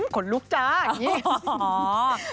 ขนลุกจ้าอย่างนี้